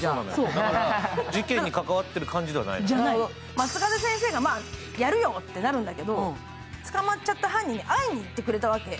松風先生がやるよってなるんだけど捕まっちゃった犯人に会いに行ったわけ。